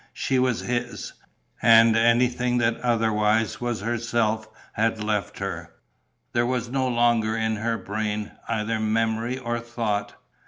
She was his; and anything that otherwise was herself had left her. There was no longer in her brain either memory or thought....